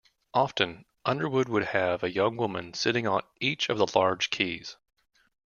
Often, Underwood would have a young woman sitting on each of the large keys.